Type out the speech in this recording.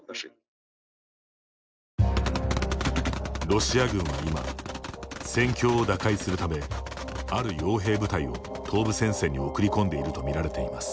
ロシア軍は今戦況を打開するためある、よう兵部隊を東部戦線に送り込んでいると見られています。